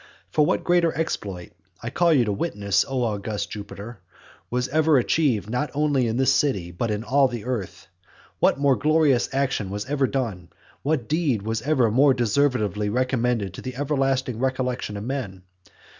For what greater exploit (I call you to witness, O august Jupiter!) was ever achieved not only in this city, but in all the earth? What more glorious action was ever done? What deed was ever more deservedly recommended to the everlasting recollection of men?